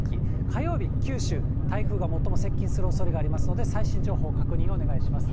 火曜日、九州、台風が最も接近するおそれがありますので、最新情報を確認をお願いします。